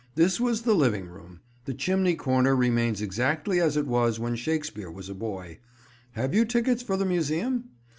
This was the living room. The chimney corner remains exactly as it was when Shakespeare was a boy. Have you tickets for the Museum?